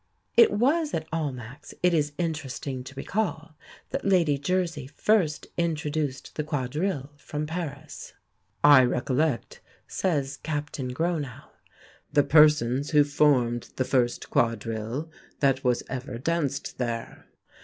It was at Almack's, it is interesting to recall, that Lady Jersey first introduced the quadrille from Paris. "I recollect," says Captain Gronow, "the persons who formed the first quadrille that was ever danced there.